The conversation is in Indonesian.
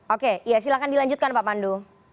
oke ya silahkan dilanjutkan pak pandu